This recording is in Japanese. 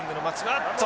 あっと！